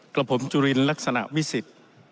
กลับผมจุรินลักษณะวิสิต